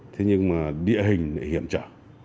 thế nhưng mà địa hình hiểm trở